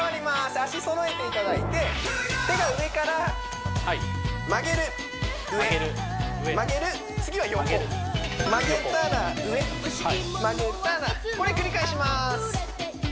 足揃えていただいて手が上から曲げる上曲げる次は横曲げたら上曲げたらこれ繰り返します